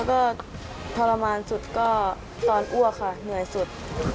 ก็ทรมานสุดก็ตอนอ้วกค่ะเหนื่อยสุด